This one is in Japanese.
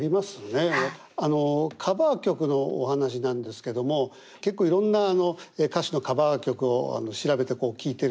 あのカバー曲のお話なんですけども結構いろんな歌手のカバー曲を調べてこう聴いてる。